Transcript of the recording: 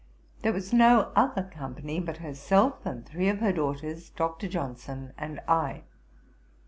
There was no other company but herself and three of her daughters, Dr. Johnson, and I.